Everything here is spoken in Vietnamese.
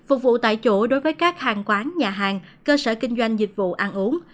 phục vụ tại chỗ đối với các hàng quán nhà hàng cơ sở kinh doanh dịch vụ ăn uống